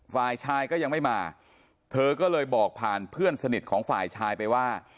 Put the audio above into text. ฝ่ายชายก็ยังไม่มาเธอก็เลยบอกผ่านเพื่อนสนิทของฝ่ายชายไปว่า